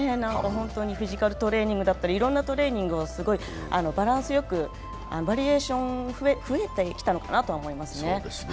フィジカルトレーニングだったりいろんなトレーニングをバランスよくバリエーション、増えてきたのかなとは思いますね。